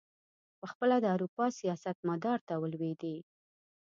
پخپله د اروپا سیاست مدار ته ولوېدی.